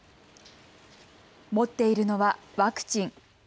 持っているのはワクチン。